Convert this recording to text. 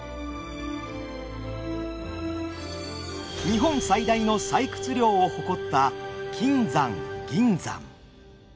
日本最大の採掘量を誇った金山銀山。